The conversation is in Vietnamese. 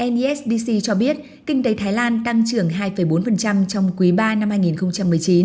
nisdc cho biết kinh tế thái lan tăng trưởng hai bốn trong quý ba năm hai nghìn một mươi chín